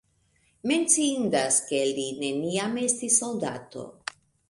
Menciindas, ke li neniam estis soldato.